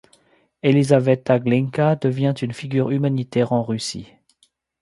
Elizaveta Glinka devient une figure humanitaire en Russie.